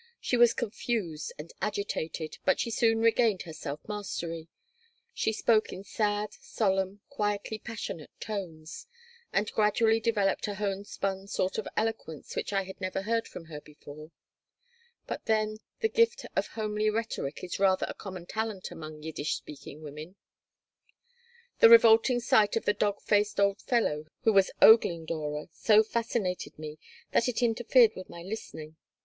She was confused and agitated, but she soon regained her self mastery. She spoke in sad, solemn, quietly passionate tones, and gradually developed a homespun sort of eloquence which I had never heard from her before. But then the gift of homely rhetoric is rather a common talent among Yiddish speaking women The revolting sight of the dog faced old fellow who was ogling Dora so fascinated me that it interfered with my listening.